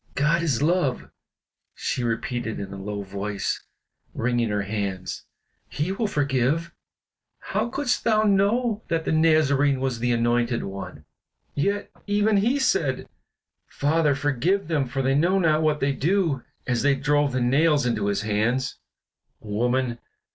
"God is love," she repeated in a low voice, wringing her hands; "He will forgive. How couldst thou know that the Nazarene was the Anointed One? Yet, even he said, 'Father, forgive them, for they know not what they do!' as they drove the nails into his hands." "Woman!"